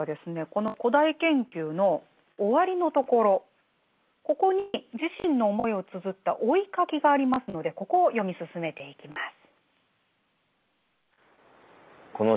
この「古代研究」の終わりのところここに自身の思いをつづった「追ひ書き」がありますのでここを読み進めていきます。